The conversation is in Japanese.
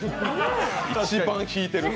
一番引いてる。